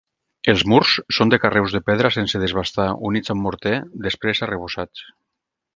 Els murs són de carreus de pedra sense desbastar units amb morter, després arrebossats.